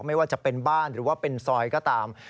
ไม่ว่าจะเป็นบ้านหรือว่าเป็นซอยก็ตาม